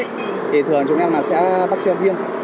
thì thường chúng em là sẽ bắt xe riêng